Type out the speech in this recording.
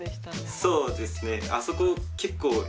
そうですねあそこ結構はい。